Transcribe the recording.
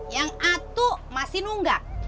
yang atuk masih nunggak